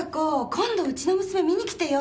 今度ウチの娘見に来てよ。